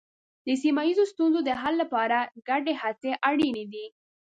د سیمه ییزو ستونزو د حل لپاره ګډې هڅې اړینې دي.